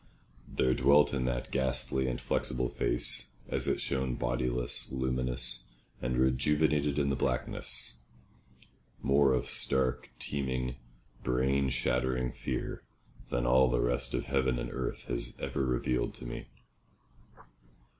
There dwelt in that ghastly and flexible face, as it shone bodiless, luminous, and rejuvenated in the blackness, more of stark, teeming, brain shattering fear than all the rest of heaven and earth has ever revealed to me.